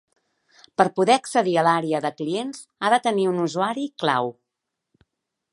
Per poder accedir a l'àrea de clients ha de tenir un usuari i clau.